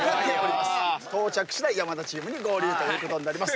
到着しだい山田チームに合流ということになります。